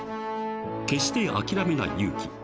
［決して諦めない勇気］